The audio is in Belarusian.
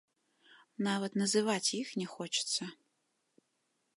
Нават называць іх не хочацца.